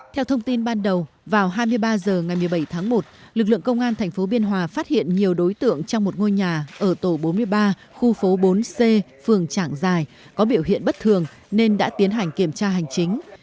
theo thông tin ban đầu vào hai mươi ba h ngày một mươi bảy tháng một lực lượng công an tp biên hòa phát hiện nhiều đối tượng trong một ngôi nhà ở tổ bốn mươi ba khu phố bốn c phường trảng giải có biểu hiện bất thường nên đã tiến hành kiểm tra hành chính